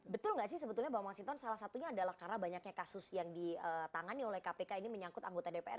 betul nggak sih sebetulnya bang masinton salah satunya adalah karena banyaknya kasus yang ditangani oleh kpk ini menyangkut anggota dpr